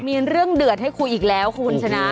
มีเรื่องเดือดให้คุยอีกแล้วคุณชนะ